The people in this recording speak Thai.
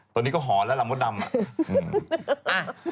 ตอนนี้ก็หอนแล้วล่ะมดดำ